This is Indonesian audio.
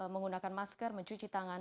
menggunakan masker mencuci tangan